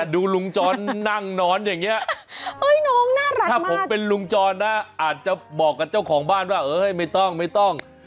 ดูลุงจอนนั่งนอนอย่างเงี้ยเอ้ยน้องน่ารักมากถ้าผมเป็นลุงจอนน่ะอาจจะบอกกับเจ้าของบ้านว่าเออให้ไม่ต้องไม่ต้อง